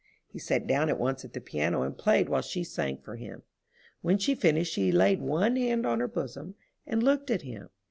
He sat down at once at the piano and played while she sang for him. When she finished she laid one hand on her bosom and looked at him.